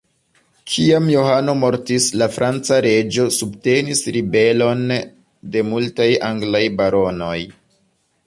Kiam Johano mortis, la franca reĝo subtenis ribelon de multaj anglaj baronoj.